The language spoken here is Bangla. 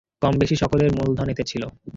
কম-বেশি সকলের মূলধন এতে ছিল।